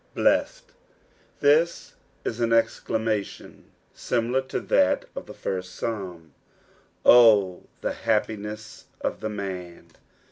Bluted." This is an exclamation aimilar to Ibat of tha first Psalm, " Oh, the happiness of the man."